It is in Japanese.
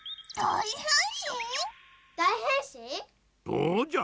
そうじゃ！